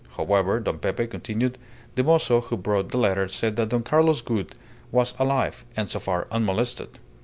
However, Don Pepe continued, the mozo who brought the letter said that Don Carlos Gould was alive, and so far unmolested.